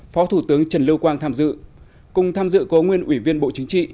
phó thủ tướng trần lưu quang tham dự cùng tham dự có nguyên ủy viên bộ chính trị